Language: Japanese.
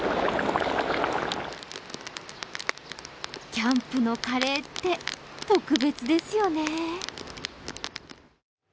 キャンプのカレーって特別ですよね。